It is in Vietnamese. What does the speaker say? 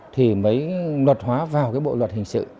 thì mới luật hóa vào cái bộ luật hình sự